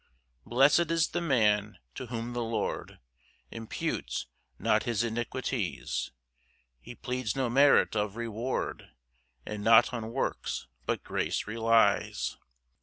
2 Blest is the man to whom the Lord Imputes not his iniquities, He pleads no merit of reward, And not on works, but grace relies.